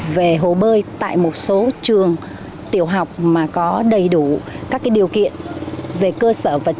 về hồ bơi tại một số trường tiểu học mà có đầy đủ các điều kiện về cơ sở vật chất